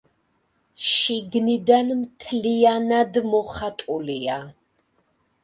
შიგნიდან მთლიანად მოხატულია.